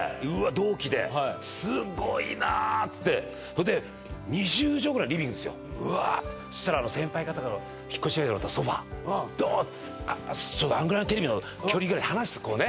同期ですごいなってそれで２０畳ぐらいのリビングですようわってそしたら先輩方から引っ越し祝いにもらったソファドーンそうだあんぐらいのテレビの距離ぐらい離すこうね